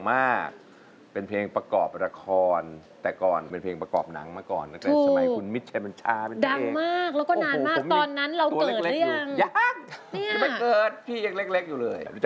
มาโรงแข่งเข้าหน่อย